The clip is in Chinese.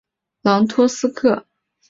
朗托斯克。